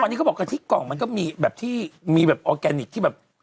ตอนนี้เขาบอกกะทิกล่องมันก็มีแบบที่มีแบบออร์แกนิคที่แบบ